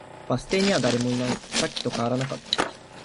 バス停には誰もいない。さっきと変わらなかった。